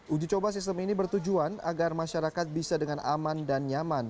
uji coba sistem ini bertujuan agar masyarakat bisa dengan aman dan nyaman